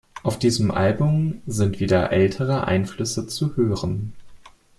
Auf diesem Album sind wieder ältere Einflüsse zu hören.